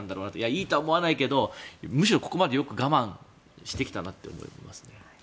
いいとは思わないけどむしろよくここまで我慢してきたなと思いますね。